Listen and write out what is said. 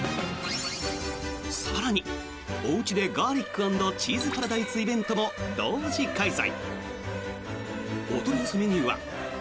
更に、おうちでガーリック＆チーズパラダイスイベントも同時開催。